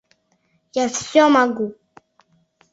Я все могу.